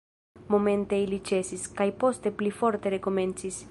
Momente ili ĉesis, kaj poste pli forte rekomencis.